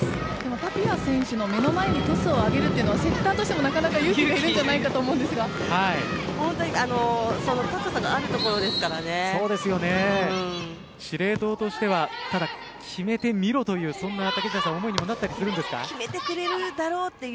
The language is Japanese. タピア選手の目の前にトスを上げるというのはセッターとしても勇気がいるんじゃないかと本当に司令塔としては決めてみろというそんな思いにも決めてくれるだろうという